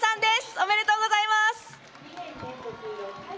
おめでとうございます！